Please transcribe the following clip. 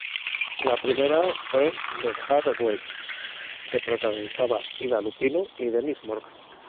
La primera fue "The Hard Way", que protagonizaban Ida Lupino y Dennis Morgan.